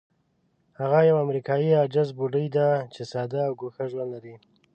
هغه یوه امریکایي عاجزه بوډۍ ده چې ساده او ګوښه ژوند لري.